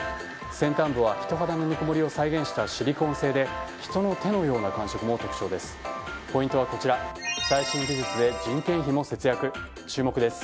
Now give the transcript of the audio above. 先端部は人肌のぬくもりを再現したシリコン製で人の手のような感触も特徴です。